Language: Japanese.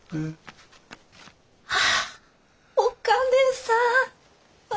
ああおかねさん。